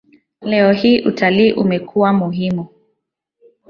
Leo hii utalii umekuwa muhimu.